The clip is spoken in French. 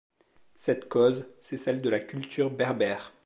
Cette cause, c'est celle de la culture berbère.